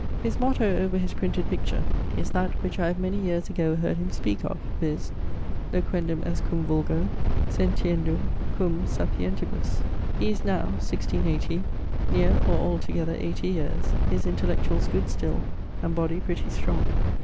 His motto over his printed picture is that which I have many yeares ago heard him speake of, viz.: Loquendum est cum vulgo, sentiendum cum sapientibus. He is now (1680) neer or altogether 80 yeares, his intellectualls good still, and body pretty strong.